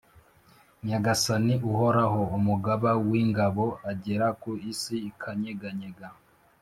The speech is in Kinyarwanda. nyagasani uhoraho, umugaba w’ingabo, agera ku isi ikanyeganyega,